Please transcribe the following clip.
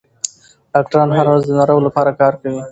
ډاکټران هره ورځ د ناروغ لپاره کار کوي.